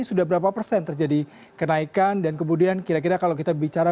sudah berapa persen terjadi kenaikan dan kemudian kira kira kalau kita bicara